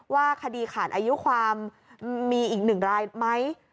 ว่าคดีขาดอายุความมีอีกหนึ่งรายไหม